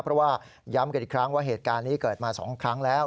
เพราะว่าย้ำกันอีกครั้งว่าเหตุการณ์นี้เกิดมา๒ครั้งแล้ว